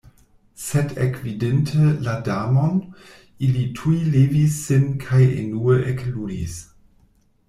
Sed ekvidinte la Damon, ili tuj levis sin kaj enue ekludis.